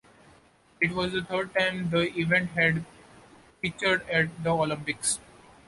It was the third time the event had been featured at the Olympics.